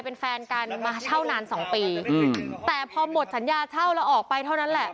เป็นแฟนกันมาเช่านานสองปีอืมแต่พอหมดสัญญาเช่าแล้วออกไปเท่านั้นแหละ